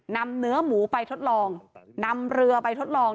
นำเนื้อหมูไปทดลองนำเรือไปทดลอง